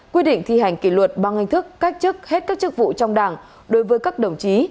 quy định thi hành kỷ luật bằng hình thức cách chức hết các chức vụ trong đảng đối với các đồng chí